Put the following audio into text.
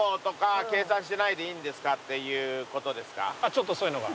ちょっとそういうのが。